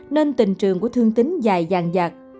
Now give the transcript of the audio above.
nên tình trường của thương tính dài dàng dạt